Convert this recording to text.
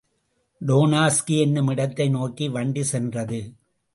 டோனாஸ்கி என்னுமிடத்தை நோக்கி வண்டி சென்றது.